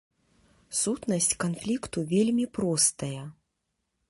Сутнасць канфлікту вельмі простая.